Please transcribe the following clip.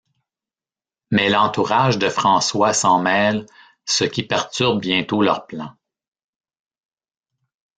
Mais l'entourage de François s'en mêle, ce qui perturbe bientôt leurs plans...